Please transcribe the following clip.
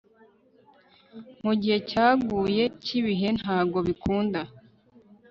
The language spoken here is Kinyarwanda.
Mugihe cyaguye cyibihe ntago bikunda